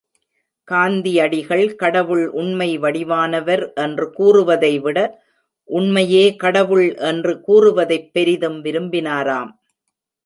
காந்தியடிகள் கடவுள் உண்மை வடிவானவர் என்று கூறுவதைவிட உண்மையே கடவுள் என்று கூறுவதைப் பெரிதும் விரும்பினாராம்.